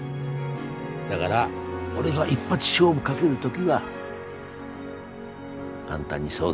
だがら俺が一発勝負かける時はあんたに相談する。